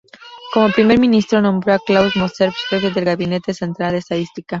Como Primer Ministro, nombró a Claus Moser jefe del Gabinete central de Estadística.